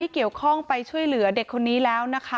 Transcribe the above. เกี่ยวข้องไปช่วยเหลือเด็กคนนี้แล้วนะคะ